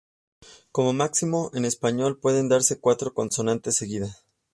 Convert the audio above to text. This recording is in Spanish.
Como máximo, en español, pueden darse cuatro consonantes seguidas.